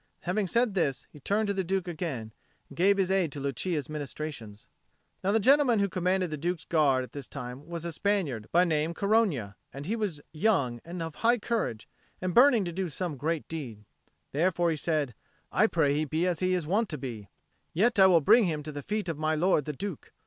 And having said this, he turned to the Duke again, and gave his aid to Lucia's ministrations. Now the gentleman who commanded the Duke's Guard at this time was a Spaniard, by name Corogna, and he was young, of high courage, and burning to do some great deed. Therefore he said, "I pray he be as he is wont to be: yet I will bring him to the feet of my lord the Duke."